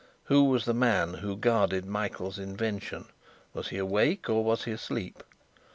Who was the man who guarded Michael's invention? Was he awake or was he asleep?